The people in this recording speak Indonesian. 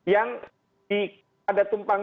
yang ada tumpang